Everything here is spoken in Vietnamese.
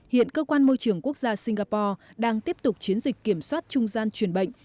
hiện cơ quan môi trường quốc gia singapore đang tiếp tục chiến dịch kiểm soát trung gian truyền bệnh